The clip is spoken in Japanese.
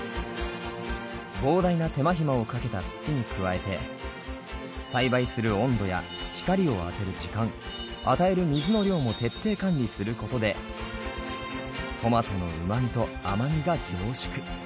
膨大な手間ひまをかけた土に加えて栽培する温度や光を当てる時間与える水の量も徹底管理することでトマトの旨味と甘味が凝縮。